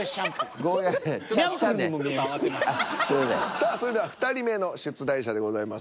さあそれでは２人目の出題者でございます。